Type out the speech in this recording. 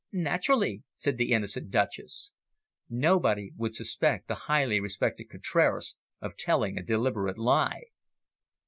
"Naturally," said the innocent Duchess. Nobody would suspect the highly respected Contraras of telling a deliberate lie.